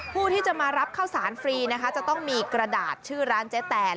ผู้ที่จะมารับข้าวสารฟรีนะคะจะต้องมีกระดาษชื่อร้านเจ๊แตน